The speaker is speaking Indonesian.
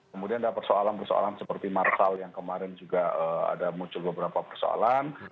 kemudian ada persoalan persoalan seperti marsal yang kemarin juga ada muncul beberapa persoalan